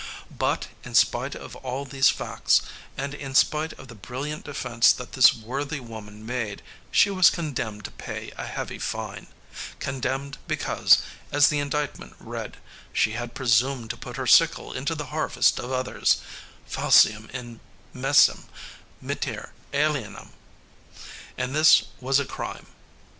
But, in spite of all these facts, and in spite of the brilliant defence that this worthy woman made, she was condemned to pay a heavy fine condemned because, as the indictment read, she had presumed to put her sickle into the harvest of others falcem in messem mittere alienam and this was a crime.